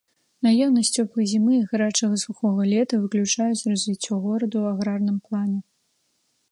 Наяўнасць цёплай зімы і гарачага сухога лета выключаюць развіццё горада ў аграрным плане.